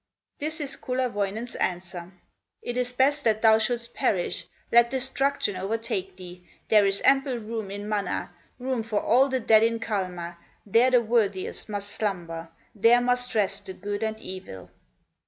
This is Kullerwoinen's answer: "It is best that thou shouldst perish, Let destruction overtake thee, There is ample room in Mana, Room for all the dead in Kalma, There the worthiest must slumber, There must rest the good and evil."